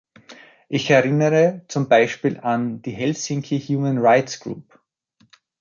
Ich erinnere zum Beispiel an die Helsinki Human Rights Group .